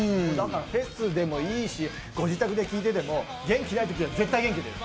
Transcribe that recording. フェスでもいいし、ご自宅で聴いてても、絶対元気出る。